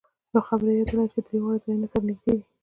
یوه خبره یاد ولرئ چې درې واړه ځایونه سره نږدې دي.